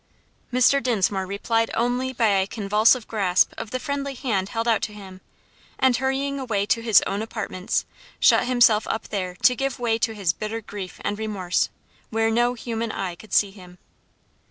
Mr. Dinsmore replied only by a convulsive grasp of the friendly hand held out to him, and hurrying away to his own apartments, shut himself up there to give way to his bitter grief and remorse where no human eye could see him.